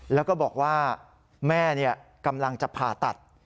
แล้วก็บอกว่าแม่กำลังจะผ่าตัด